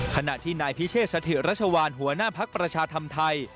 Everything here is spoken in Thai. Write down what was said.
ขณะที่นายพิเชษสถิรัชวานหัวหน้าภักดิ์ประชาธรรมไทย